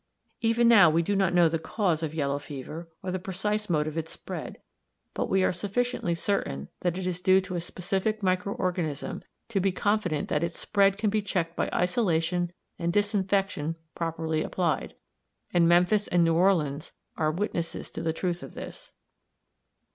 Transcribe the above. Even now we do not know the cause of yellow fever, or the precise mode of its spread; but we are sufficiently certain that it is due to a specific micro organism to be confident that its spread can be checked by isolation and disinfection properly applied and Memphis and New Orleans are witnesses to the truth of this.